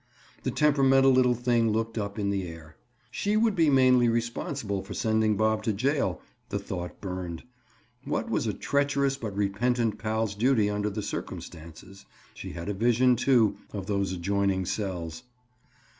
The temperamental little thing looked up in the air. She would be mainly responsible for sending Bob to jail—the thought burned. What was a treacherous but repentant pal's duty under the circumstances? She had a vision, too, of those adjoining cells.